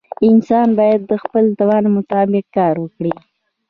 انسان باید د خپل توان مطابق کار وکړي.